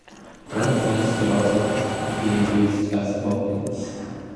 War fans could also be used as weapons.